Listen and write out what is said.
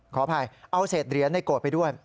ขออภัยเอาเศษเหรียญในโกรธไปด้วย